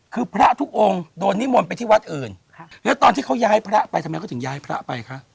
คือพระทุกองค์โดนนิมนต์ไปที่วัดอื่นแล้วตอนที่เขาย้ายพระไปทำไมเขาถึงย้ายพระไปคะ